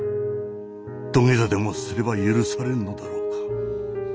土下座でもすれば許されるのだろうか。